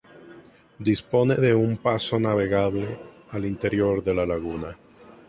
Dispone de un paso navegable al interior de la laguna.